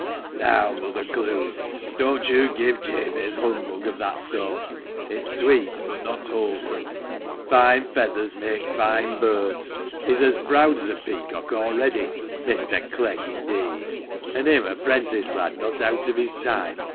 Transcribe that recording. "Now, Mother Clowes, don't you give Jabez humbug of that sort ; it's sweet, but not wholesome. ' Fine feathers make fine birds.' He's as proud as a peacock already, Mr. Clegg, indeed! and him a 'prentice lad not out of his time